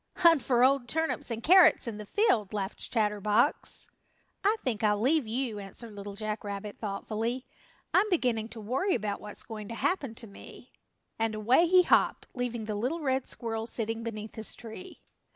"Hunt for old turnips and carrots in the field," laughed Chatterbox. "I think I'll leave you," answered Little Jack Rabbit thoughtfully, "I'm beginning to worry about what's going to happen to me," and away he hopped, leaving the little red squirrel sitting beneath his tree.